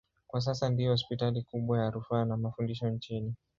Kwa sasa ndiyo hospitali kubwa ya rufaa na mafundisho nchini.